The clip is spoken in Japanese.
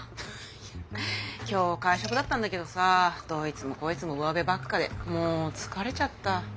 いや今日会食だったんだけどさどいつもこいつもうわべばっかでもう疲れちゃった。